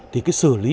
thì cái xử lý hậu quả